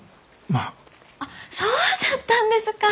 あっそうじゃったんですか。